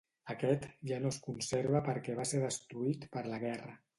Aquest, ja no es conserva perquè va ser destruït per la guerra.